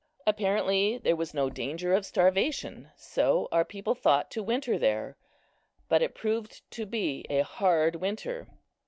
Apparently there was no danger of starvation, so our people thought to winter there; but it proved to be a hard winter.